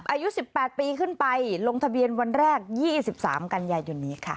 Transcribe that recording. อายุสิบแปดปีขึ้นไปลงทะเบียนวันแรกยี่สิบสามกันยายอยู่นี้ค่ะ